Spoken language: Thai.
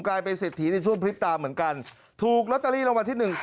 กลายเป็นเศรษฐีในช่วงพริบตาเหมือนกันถูกลอตเตอรี่รางวัลที่หนึ่ง